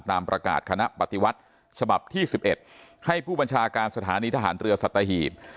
ตามประกาศคณะปฏิวัติฉบับที่๑๑ให้ผู้บัญชาการสถานีทหารเรือสัตหีบ